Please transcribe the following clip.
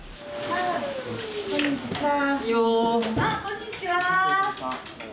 あっこんにちは。